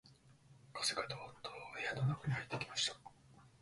風がどうっと室の中に入ってきました